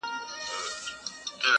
اوښ په سر باري نه درنېږي.